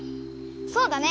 そうだね！